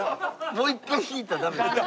もう一回引いたらダメですか？